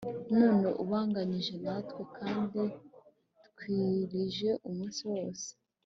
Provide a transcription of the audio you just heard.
none ubanganyije natwe kandi twirije umunsi wose